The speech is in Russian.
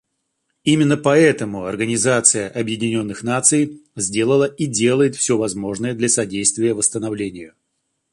Именно поэтому Организация Объединенных Наций сделала и делает все возможное для содействия восстановлению.